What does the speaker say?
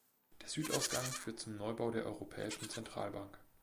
Der Südausgang führt zum Neubau der Europäischen Zentralbank.